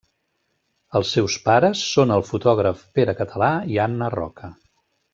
Els seus pares són el fotògraf Pere Català i Anna Roca.